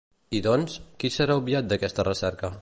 I doncs, qui serà obviat d'aquesta recerca?